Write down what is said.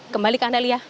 kembali ke anda lia